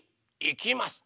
いきます。